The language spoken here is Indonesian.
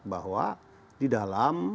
bahwa di dalam